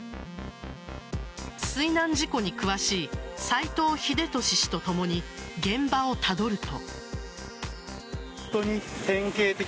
水難事故に詳しい斎藤秀俊氏とともに現場をたどると。